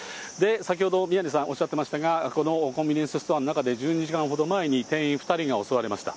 先ほど、宮根さん、おっしゃってましたが、このコンビニエンスストアの中で、１２時間ほど前に店員２人が襲われました。